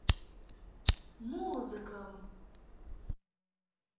— Музыкым!..